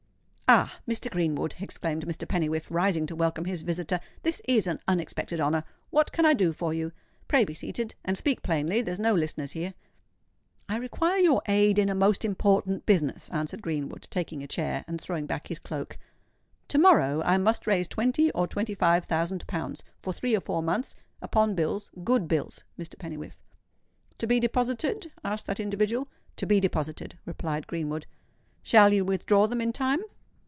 "Ah! Mr. Greenwood," exclaimed Mr. Pennywhiffe, rising to welcome his visitor; "this is an unexpected honour. What can I do for you? Pray be seated; and speak plainly. There's no listeners here." "I require your aid in a most important business," answered Greenwood, taking a chair, and throwing back his cloak. "To morrow I must raise twenty or twenty five thousand pounds, for three or four months—upon bills—good bills, Mr. Pennywhiffe." "To be deposited?" asked that individual. "To be deposited," replied Greenwood. "Shall you withdraw them in time?"